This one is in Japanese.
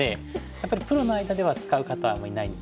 やっぱりプロの間では使う方あんまりいないんですけど。